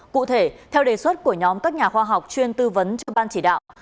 cụ thể theo đề xuất của nhóm các nhà khoa học chuyên tư vấn cho ban chỉ đạo